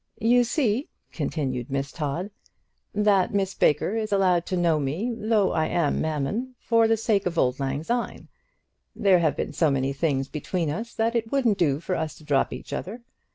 "You see," continued Miss Todd, "that Miss Baker is allowed to know me, though I am Mammon, for the sake of auld lang syne. There have been so many things between us that it wouldn't do for us to drop each other.